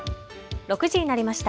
６時になりました。